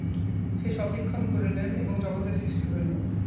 সেই সৎ ঈক্ষণ করিলেন এবং জগতের সৃষ্টি হইল।